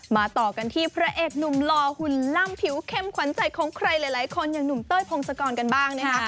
ต่อกันที่พระเอกหนุ่มหล่อหุ่นล่ำผิวเข้มขวัญใจของใครหลายคนอย่างหนุ่มเต้ยพงศกรกันบ้างนะคะ